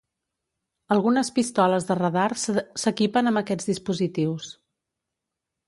Algunes pistoles de radar s'equipen amb aquests dispositius.